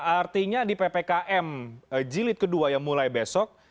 artinya di ppkm jilid kedua yang mulai besok